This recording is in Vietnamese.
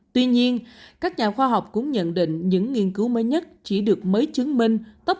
tuy nhiên các nhà khoa học cũng nhận định những nghiên cứu mới nhất chỉ được mới chứng minh